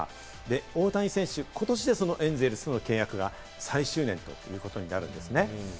大谷選手、ことしでそのエンゼルスとの契約が最終年ということになるんですね。